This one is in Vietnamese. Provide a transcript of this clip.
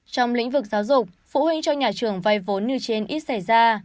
trong lĩnh vực giáo dục phụ huynh cho nhà trường vay vốn như trên ít xảy ra